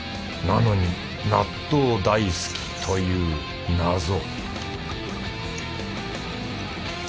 なのに納豆大好きという謎